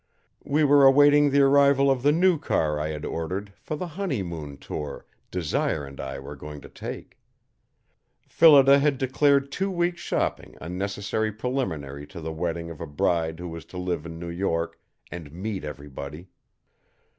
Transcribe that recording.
We were awaiting the arrival of the new car I had ordered for the honeymoon tour Desire and I were soon to take. Phillida had declared two weeks shopping a necessary preliminary to the wedding of a bride who was to live in New York "and meet everybody."